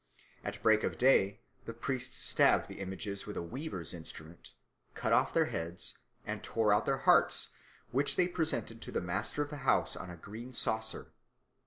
At break of day the priests stabbed the images with a weaver's instrument, cut off their heads, and tore out their hearts, which they presented to the master of the house on a green saucer.